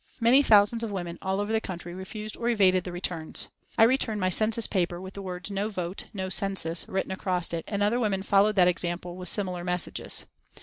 Many thousands of women all over the country refused or evaded the returns. I returned my census paper with the words "No vote no census" written across it, and other women followed that example with similar messages.